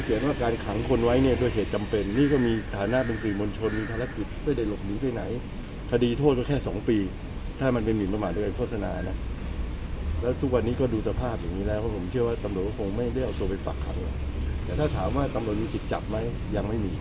เพราะมันไม่มีเหตุผลอะไรเพราะหมาย